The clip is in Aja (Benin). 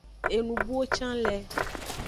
Enubuwo can le.